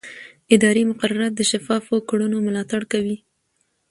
اداري مقررات د شفافو کړنو ملاتړ کوي.